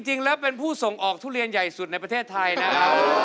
จริงแล้วเป็นผู้ส่งออกทุเรียนใหญ่สุดในประเทศไทยนะครับ